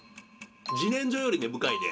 「自然薯より根深いね」